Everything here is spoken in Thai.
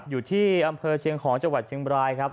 อยู่ที่อำเภอเชียงของจังหวัดเชียงบรายครับ